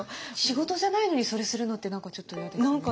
仕事じゃないのにそれするのって何かちょっと嫌ですね。